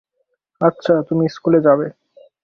আচ্ছা, তুমি স্কুলে যাবে।